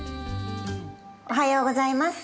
おはようございます。